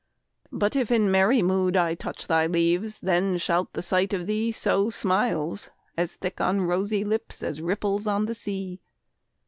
But if in merry mood I touch Thy leaves, then shall the sight of thee Sow smiles as thick on rosy lips As ripples on the sea.